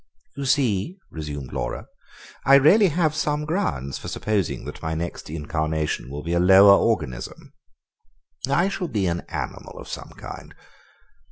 "You see," resumed Laura, "I really have some grounds for supposing that my next incarnation will be in a lower organism. I shall be an animal of some kind.